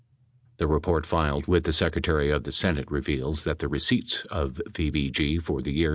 The report filed with the Secretary of the Senate reveals that the receipts of VBG for the year 1972 was $30,442.